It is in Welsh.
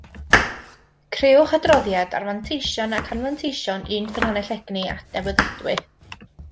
Crëwch adroddiad ar fanteision ac anfanteision un ffynhonnell egni adnewyddadwy